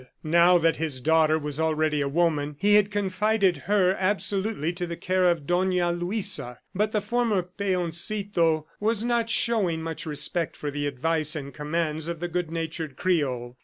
Now that his daughter was already a woman, he had confided her absolutely to the care of Dona Luisa. But the former "Peoncito" was not showing much respect for the advice and commands of the good natured Creole.